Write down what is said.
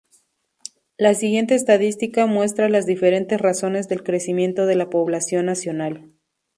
La siguiente estadística muestra las diferentes razones del crecimiento de la población nacional.